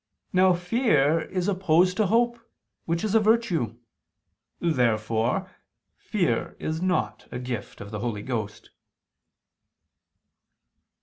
Now fear is opposed to hope, which is a virtue. Therefore fear is not a gift of the Holy Ghost.